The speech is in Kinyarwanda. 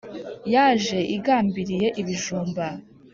Yaje igambiriye ibijumba